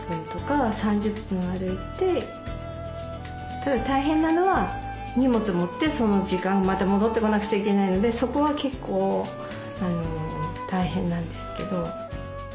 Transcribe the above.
ただ大変なのは荷物持ってその時間また戻ってこなくちゃいけないのでそこは結構大変なんですけど。